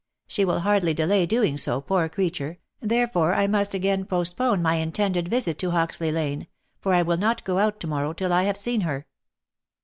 She will hardly delay doing so, poor creature, therefore I "must again postpone my intended visit to Hoxley lane, for I will not go out to morrow till I have seen her.'